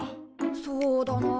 そうだなあ。